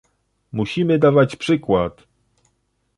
Musimy dawać przykład